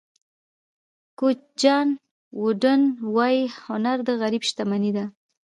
کوچ جان ووډن وایي هنر د غریب شتمني ده.